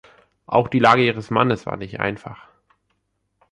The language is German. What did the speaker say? Auch die Lage ihres Mannes war nicht einfach.